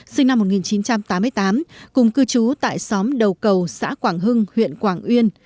sinh năm một nghìn chín trăm tám mươi tám cùng cư trú tại xóm đầu cầu xã quảng hưng huyện quảng uyên